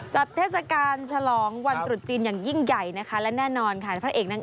จัดทรัศกาลฉลองวันตรุษจีนอย่างยิ่งใหญ่และแน่นอนค่ะ